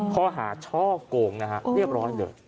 ข้อหาช่อกงนะฮะเรียบร้อยเลย